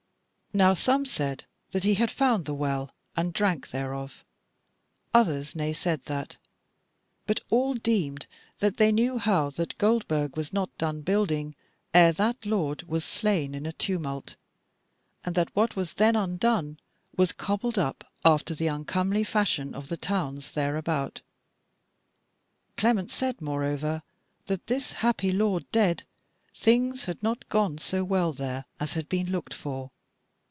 Now some said that he had found the Well, and drank thereof; others naysaid that; but all deemed that they knew how that Goldburg was not done building ere that lord was slain in a tumult, and that what was then undone was cobbled up after the uncomely fashion of the towns thereabout. Clement said moreover that, this happy lord dead, things had not gone so well there as had been looked for.